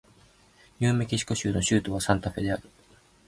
ニューメキシコ州の州都はサンタフェである